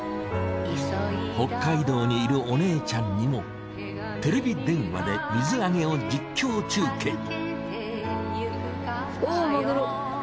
北海道にいるお姉ちゃんにもテレビ電話で水揚げを実況中継。